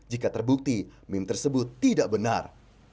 jika terbukti meme tersebut tidak benar